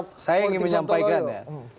politik sontoloyo saya ingin menyampaikan ya